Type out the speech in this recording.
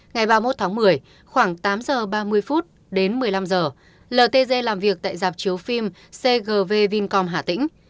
ngày ba mươi một tháng một mươi khoảng tám h ba mươi đến một mươi năm h ltg làm việc tại giạp chiếu phim cgv vincom hà tĩnh